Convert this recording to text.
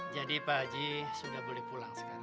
jadi pak haji sudah boleh pulang sekarang